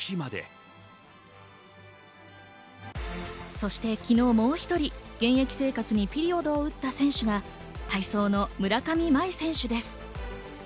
そして昨日もう１人、現役生活にピリオドを打った選手が体操の村上茉愛選手です。